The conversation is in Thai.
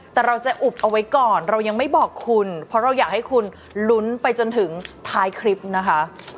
แต่เราจะอุบเอาไว้ก่อนเรายังไม่บอกคุณเพราะเราอยากให้คุณลุ้นไปจนถึงท้ายคลิปนะคะ